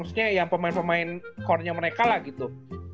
maksudnya yang pemain pemain corenya mereka lah gitu